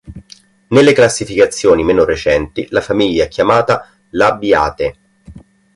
Nelle classificazioni meno recenti la famiglia è chiamata Labiatae.